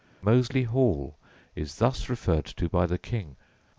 ] Moseley Hall is thus referred to by the King: "I...